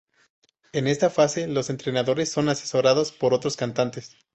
En esta fase los entrenadores son asesorados por otros cantantes.